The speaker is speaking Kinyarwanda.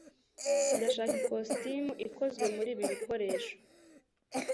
Ndashaka ikositimu ikozwe muri ibi bikoresho.